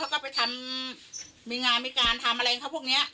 แล้วก็มีงานทำอะไรอังใกล้ค่ะพวกนี้